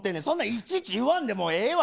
いちいち言わんでええわ。